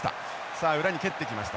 さあ裏に蹴ってきました。